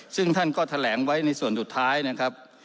ซึ่งท่านก็แถลงไว้ในส่วนสุดท้ายนะครับ